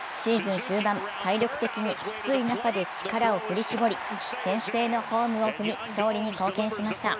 シーズン終盤、体力的にきつい中で力を振り絞り、先制のホームを踏み、勝利に貢献しました。